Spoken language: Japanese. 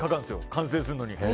完成するのに。